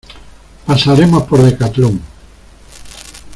Pasaremos por Decatlon.